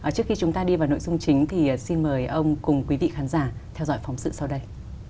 trước khi chúng ta đi vào nội dung chính thì xin mời ông cùng quý vị khán giả theo dõi phóng sự sau đây